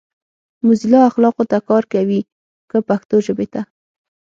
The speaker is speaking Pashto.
موزیلا اخلاقو ته کار کوي کۀ پښتو ژبې ته؟